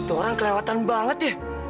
tuh orang kelewatan banget ya